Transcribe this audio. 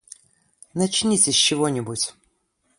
Начните с чего-нибудь.